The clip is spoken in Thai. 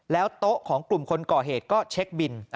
โต๊ะของกลุ่มคนก่อเหตุก็เช็คบิน